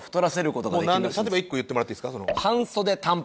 例えば１個言ってもらっていいですか？